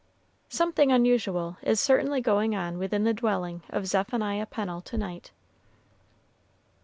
Something unusual is certainly going on within the dwelling of Zephaniah Pennel to night.